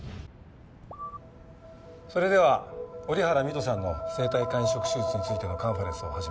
それでは折原美都さんの生体肝移植手術についてのカンファレンスを始めます。